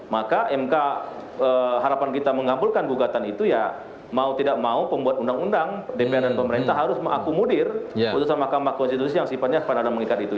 maka mk harapan kita mengabulkan gugatan itu ya mau tidak mau pembuat undang undang dpr dan pemerintah harus mengakomodir putusan mahkamah konstitusi yang sifatnya pada mengikat itu